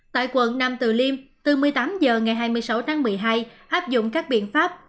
tại quận nam từ liêm từ một mươi tám h ngày hai mươi sáu tháng một mươi hai áp dụng các biện pháp